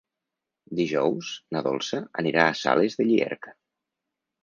Dijous na Dolça anirà a Sales de Llierca.